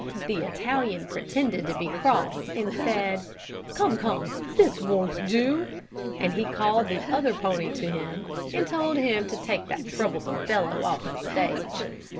The Italian pretended to be cross, and said, 'Come, come; this won't do,' and he called the other pony to him, and told him to take that troublesome fellow off the stage.